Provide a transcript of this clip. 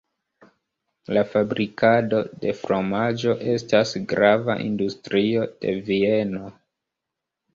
La fabrikado de fromaĝo estas grava industrio de Vieno.